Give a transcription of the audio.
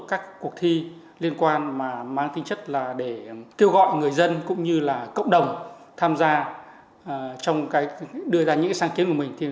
các cuộc thi liên quan mà mang tinh chất là để kêu gọi người dân cũng như là cộng đồng tham gia trong cái đưa ra những sáng kiến của mình